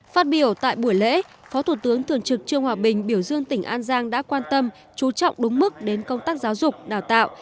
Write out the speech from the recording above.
phát biểu tại buổi lễ phó thủ tướng thường trực trương hòa bình biểu dương tỉnh an giang đã quan tâm chú trọng đúng mức đến công tác giáo dục đào tạo